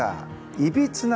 いびついな